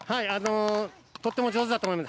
とても上手だと思います。